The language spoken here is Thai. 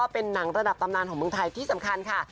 เป็นหนังระดับตำนานของเมืองไทยที่สำคัญค่ะ